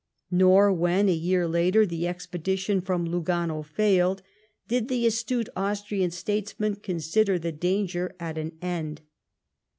Nor when, a year later, the expedition from Lugano failed, did the astute Austrian statesman consider the danger at an end.